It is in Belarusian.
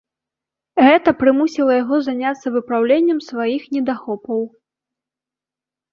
Гэта прымусіла яго заняцца выпраўленнем сваіх недахопаў.